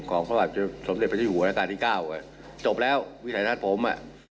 ของเขาสำเร็จไปที่หัวในอาการที่๙จบแล้ววิสัยทัศน์ผม